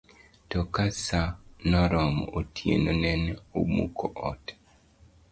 To ka saa noromo, otieno nene omuko ot